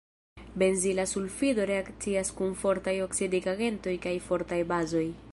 Benzila sulfido reakcias kun fortaj oksidigagentoj kaj fortaj bazoj.